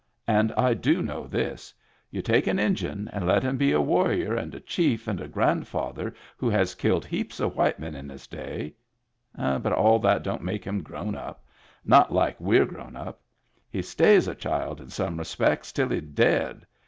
And I do know this: You take an Injun and let him be a warrior and a chief and a grandfather who has killed heaps of white men in his day — but all that don't make him grown up. Not like we're grown up. He stays a child in some respects till he's dead.